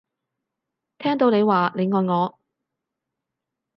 聽到你話你愛我